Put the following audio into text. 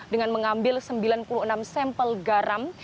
dengan mengambil sembilan puluh enam sampel garam